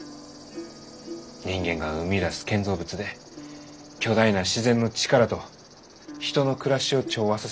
人間が生み出す建造物で巨大な自然の力と人の暮らしを調和させることができるがやと。